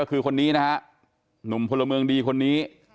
ก็คือคนนี้นะฮะหนุ่มพลเมืองดีคนนี้